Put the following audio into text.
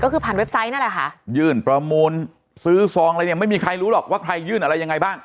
ก็คือผ่านเว็บไซต์นั่นแหละค่ะยื่นประมูลซื้อซองอะไรเนี่ยไม่มีใครรู้หรอกว่าใครยื่นอะไรยังไงบ้าง